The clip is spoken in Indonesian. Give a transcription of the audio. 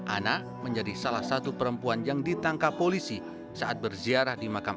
anak menjadi salah satu perempuan yang ditangkap polisi saat berziarah di makam